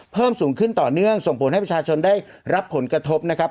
เพิ่มสูงขึ้นต่อเนื่องส่งผลให้ประชาชนได้รับผลกระทบนะครับ